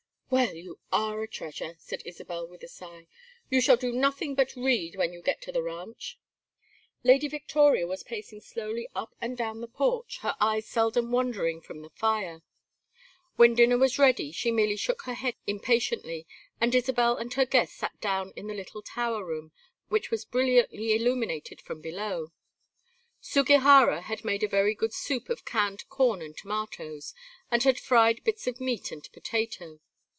"Well, you are a treasure," said Isabel, with a sigh. "You shall do nothing but read when you get to the ranch." Lady Victoria was pacing slowly up and down the porch, her eyes seldom wandering from the fire. When dinner was ready, she merely shook her head impatiently, and Isabel and her guest sat down in the little tower room, which was brilliantly illuminated from below. Sugihara had made a very good soup of canned corn and tomatoes and had fried bits of meat and potato.